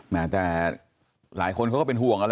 แม้แต่หลายคนเขาก็เป็นห่วง